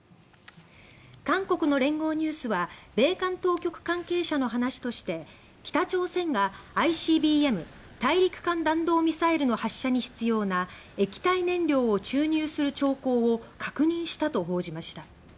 韓国の連合ニュースは米韓当局関係者の話として北朝鮮がＩＣＢＭ・大陸間弾道ミサイルの発射に必要な液体燃料を注入する兆候を確認したと報じました。